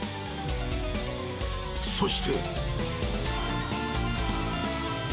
［そして］